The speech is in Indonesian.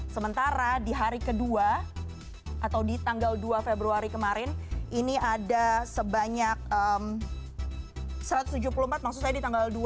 sementara di hari kedua atau di tanggal dua februari kemarin ini ada sebanyak satu ratus tujuh puluh empat maksud saya di tanggal dua